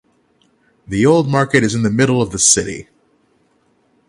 The old market is in the middle of the city.